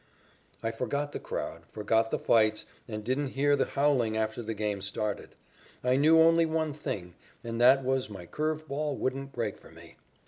I forgot the crowd, forgot the fights, and didn't hear the howling after the game started. I knew only one thing, and that was my curved ball wouldn't break for me.